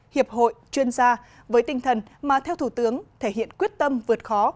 hiệp hội chuyên gia với tinh thần mà theo thủ tướng thể hiện quyết tâm vượt khó